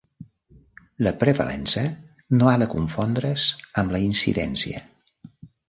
La prevalença no ha de confondre's amb la incidència.